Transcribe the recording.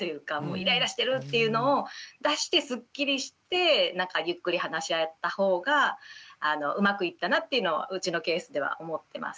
イライラしてるっていうのを出してすっきりしてゆっくり話し合ったほうがうまくいったなっていうのはうちのケースでは思ってます。